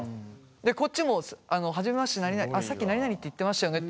こっちも初めましてなになにさっきなになにって言ってましたよねって